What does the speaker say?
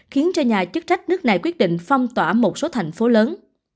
khiến cho nhà chức trách nước này quyết định phong tỏa một số thành phố lớn